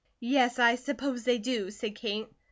"Yes, I suppose they do," said Kate.